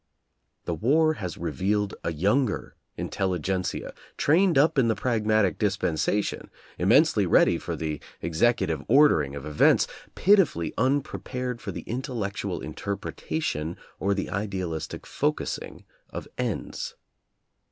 The war has revealed a younger intelli gentsia, trained up in the pragmatic dispensation, immensely ready for the executive ordering of events, pitifully unprepared for the intellectual interpretation or the idealistic focusing of ends.